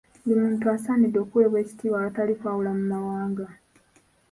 Buli muntu assanidde okuweebwa ekitiibwa awatali kwawula mu mawanga.